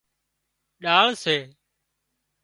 ڏاۯ سي